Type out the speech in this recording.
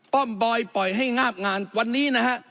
ป้อมบอยปล่อยให้งาบงานวันนี้นะฮะ